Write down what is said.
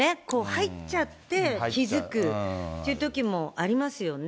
入っちゃって気付くっていうときもありますよね。